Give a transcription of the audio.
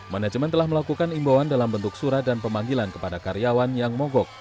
manajemen telah melakukan imbauan dalam bentuk surat dan pemanggilan kepada karyawan yang mogok